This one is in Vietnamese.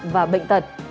và bệnh tật